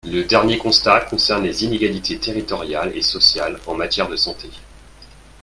Le dernier constat concerne les inégalités territoriales et sociales en matière de santé.